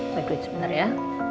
begitu itu sebenarnya